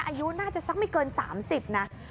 อายุน่าจะสักไม่เกิน๓๐นะ